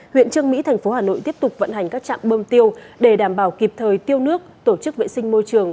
huyện trương mỹ thành phố hà nội tiếp tục vận hành các trạm bơm tiêu để đảm bảo kịp thời tiêu nước tổ chức vệ sinh môi trường